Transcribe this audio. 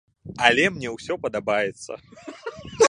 Але мне ўсё падабаецца.